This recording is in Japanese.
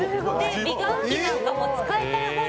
「美顔器なんかも使いたい放題」